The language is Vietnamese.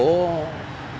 thì công an thành phố